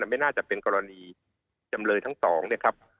ไม่น่าจะเป็นกรณีจำเลยทั้ง๒นะครับ